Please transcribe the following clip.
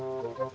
j planet uranus